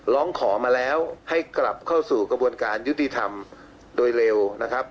ร้องขอมาแล้วให้กลับเข้าสู่กระบวนการยุติธรรมโดยเร็วนะครับ